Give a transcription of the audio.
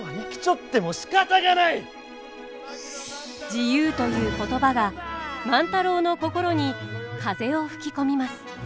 「自由」という言葉が万太郎の心に風を吹き込みます。